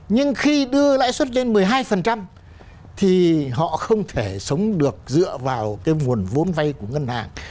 nhưng khi đưa lãi suất lên một mươi hai thì họ không thể sống được dựa vào cái nguồn vốn vay của ngân hàng